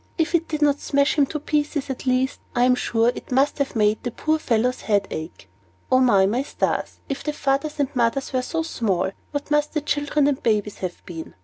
If it did not smash him all to pieces, at least, I am sure, it must have made the poor little fellow's head ache. And O, my stars! if the fathers and mothers were so small, what must the children and babies have been?